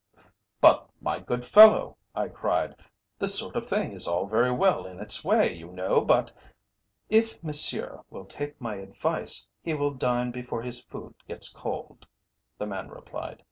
"But, my good fellow," I cried, "this sort of thing is all very well in its way, you know, but " "If Monsieur will take my advice, he will dine before his food gets cold," the man replied.